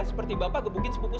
seperti bapak gebukin mbak dewi